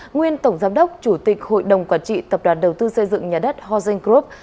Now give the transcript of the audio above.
nguyên tổng giám đốc chủ tịch hội đồng quản trị tập đoàn đầu tư xây dựng nhà đất hoseng group